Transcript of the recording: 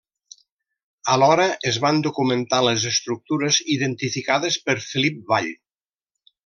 Alhora es van documentar les estructures identificades per Felip Vall.